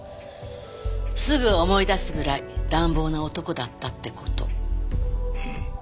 すぐ思い出すぐらい乱暴な男だったって事。